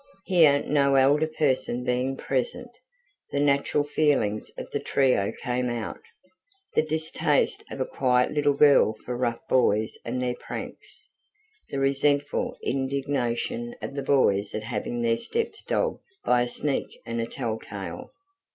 Here no elder person being present, the natural feelings of the trio came out: the distaste of a quiet little girl for rough boys and their pranks; the resentful indignation of the boys at having their steps dogged by a sneak and a tell tale.